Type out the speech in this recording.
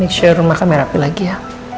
pastikan rumah kamu merah api lagi ya